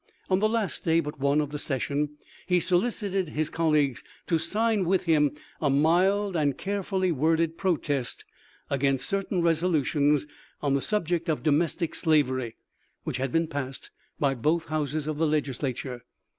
On the last day but one of the session, he solicited his colleagues to sign with him a mild and carefully worded protest against certain resolutions on the subject of domestic slavery, which had been passed by both houses of the Legislature.